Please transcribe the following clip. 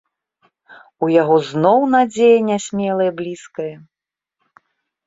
У яго зноў надзея нясмелая бліскае.